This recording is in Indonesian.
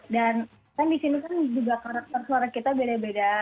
dan kan disini kan juga karakter suara kita beda beda